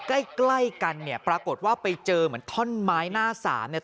ใกล้ใกล้กันเนี่ยปรากฏว่าไปเจอเหมือนท่อนไม้หน้าสามเนี่ย